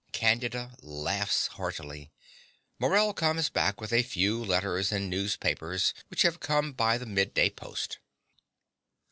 (Candida laughs heartily. Morell comes back with a few letters and newspapers which have come by the midday post.)